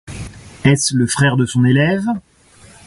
Est-ce le frère de son élève ?